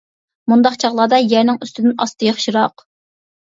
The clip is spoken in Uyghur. مۇنداق چاغلاردا يەرنىڭ ئۇستىدىن ئاستى ياخشىراق.